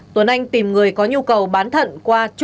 tuấn anh tìm người có nhu cầu bán thận qua trung ương huế